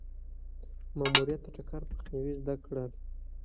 ماموریت د ټکر مخنیوی زده کړل.